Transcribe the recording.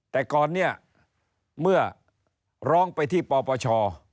แต่ก่อนเนี่ยเมื่อร้องไปที่ปปช